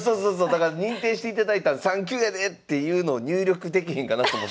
だから認定していただいたの３級やでっていうのを入力できひんかなと思ってます。